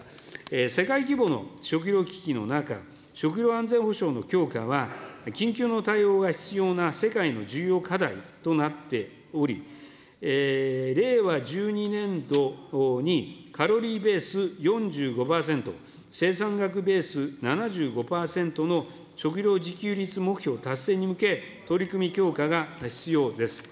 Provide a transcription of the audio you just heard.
世界規模の食料危機の中、食料安全保障の強化は、緊急の対応が必要な世界の重要課題となっており、令和１２年度にカロリーベース４５％、生産額ベース７５％の食料自給率目標達成に向け、取り組み強化が必要です。